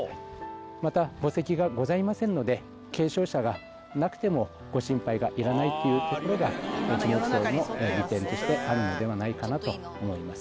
また、墓石がございませんので、継承者がいなくても、ご心配がいらないっていうところが樹木葬の利点としてあるのではないかなと思います。